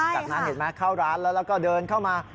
จากนั้นเห็นไหมเข้าร้านแล้วแล้วก็เดินเข้ามา